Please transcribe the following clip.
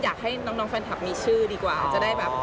อยากให้น้องแฟนคลับมีชื่อดีกว่า